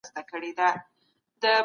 د یوې ښې ټولنې په هیله.